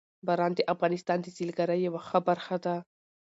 باران د افغانستان د سیلګرۍ یوه ښه برخه ده.